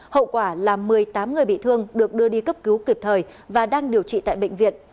hậu quả là một mươi tám người bị thương được đưa đi cấp cứu kịp thời và đang điều trị tại bệnh viện